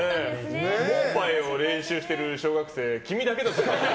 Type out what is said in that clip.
盲牌を練習してる小学生君だけだぞ。